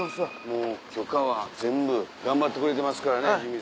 もう許可は全部頑張ってくれてますからね。